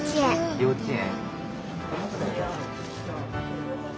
幼稚園。